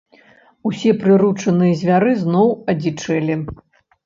Усе прыручаныя звяры зноў адзічэлі.